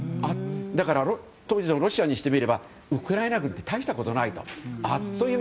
だから当時のロシアにしてみればウクライナ軍って大したことないんだと。